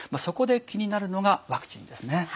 そこで気になるのがワクチンですね。